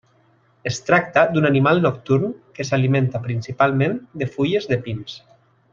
Es tracta d'un animal nocturn que s'alimenta principalment de fulles de pins.